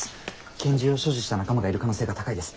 拳銃を所持した仲間がいる可能性が高いです。